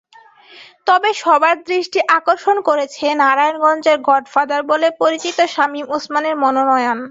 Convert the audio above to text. তবে সবার দৃষ্টি আকর্ষণ করেছে নারায়ণগঞ্জের গডফাদার বলে পরিচিত শামীম ওসমানের মনোনয়ন।